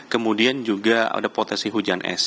kemudian juga ada potensi hujan es